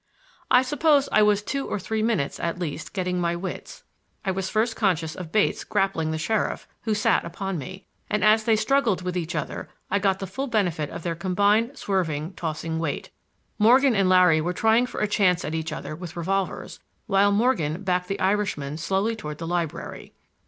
I suppose I was two or three minutes, at least, getting my wits. I was first conscious of Bates grappling the sheriff, who sat upon me, and as they struggled with each other I got the full benefit of their combined, swerving, tossing weight. Morgan and Larry were trying for a chance at each other with revolvers, while Morgan backed the Irishman slowly toward the library.